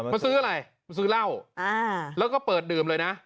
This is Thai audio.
มาซื้ออะไรมาซื้อเหล้าแล้วก็เปิดดื่มเลยนะ